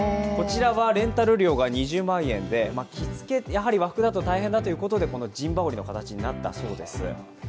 レンタル料が２０万円ということで、着付けだと大変だということで陣羽織の形になったそうです。